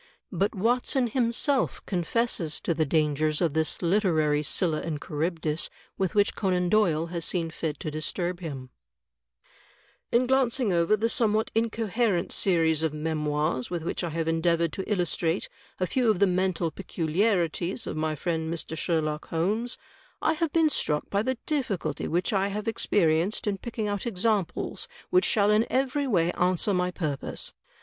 But Watson himself confesses to the dangers of this literary Scylla and Charybdis with which Conan Doyle has seen fit to disturb him: "In glancing over the somewhat incoherent series of Memoirs with which I have endeavored to illustrate a few of the mental pecuHarities of my friend Mr. Sherlock Holmes, I have been struck by the difficulty which I have experienced in picking out examples CLOSE OBSERVATION 14I which shall in every way answer my purpose.